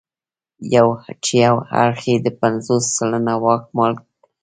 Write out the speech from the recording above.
چې یو اړخ یې د پنځوس سلنه واک مالک دی.